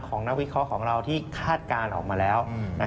นักวิเคราะห์ของเราที่คาดการณ์ออกมาแล้ว